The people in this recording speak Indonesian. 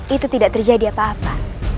itu tidak terjadi apa apa